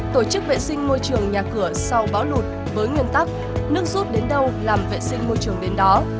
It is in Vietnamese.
tổ chức vệ sinh môi trường nhà cửa sau bão lụt với nguyên tắc nước rút đến đâu làm vệ sinh môi trường đến đó